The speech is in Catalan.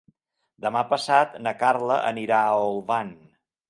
Demà passat na Carla anirà a Olvan.